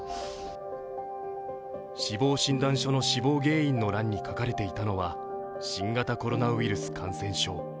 死亡診断書の死亡原因の欄に書かれていたのは、新型コロナウイルス感染症。